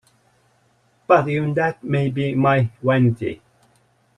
But even that may be my vanity.